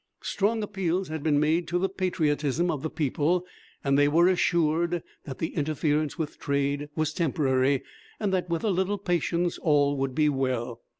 Strong appeals had been made to the patriotism of the people, and they were assured that the interference with trade was temporary, and that with a little patience all would be well.